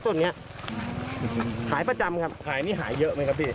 ส่วนนี้ขายประจำครับขายนี่หายเยอะไหมครับพี่